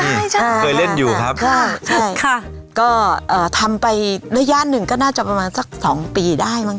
ใช่ใช่เคยเล่นอยู่ครับค่ะใช่ค่ะก็เอ่อทำไประยะหนึ่งก็น่าจะประมาณสักสองปีได้มั้